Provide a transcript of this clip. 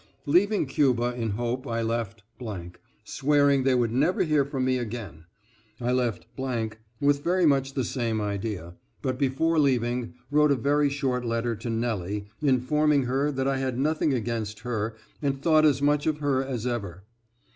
Leaving Cuba in hope I left , swearing they would never hear from me again. I left with very much the same idea, but before leaving, wrote a very short letter to Nellie, informing her that I had nothing against her and thought as much of her as ever.